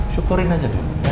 syukurin aja dulu ya